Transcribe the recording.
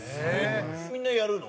みんなやるの？